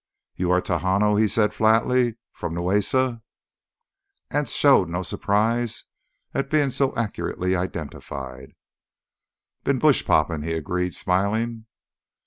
"You are Tejano," he said flatly. "From the Neusca——" Anse showed no surpise at being so accurately identified. "Been bush poppin'," he agreed, smiling.